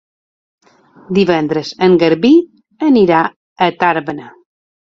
Divendres en Garbí anirà a Tàrbena.